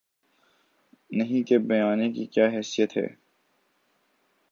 نہیں کے بیانیے کی کیا حیثیت ہے؟